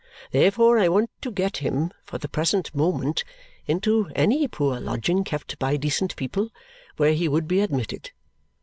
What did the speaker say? Therefore I want to get him, for the present moment, into any poor lodging kept by decent people where he would be admitted.